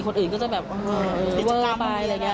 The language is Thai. คนอื่นก็จะแบบเอ่อเหลือไปอะไรแบบนี้